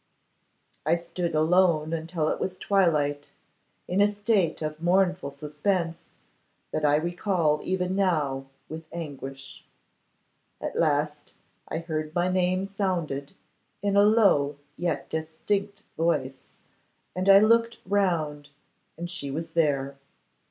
I stood alone until it was twilight, in a state of mournful suspense that I recall even now with anguish. At last I heard my name sounded, in a low yet distinct voice, and I looked round and she was there.